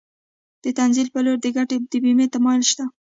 د تنزل په لور د ګټې د بیې تمایل شته